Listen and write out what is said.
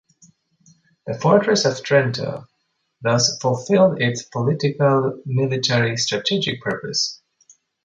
The fortress of Trento thus fulfilled its political-military strategic purpose.